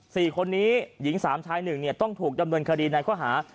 สี่คนนี้หญิงสามชายหนึ่งเนี่ยต้องถูกดำเนินคดีในข้อหา